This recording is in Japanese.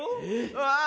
わあ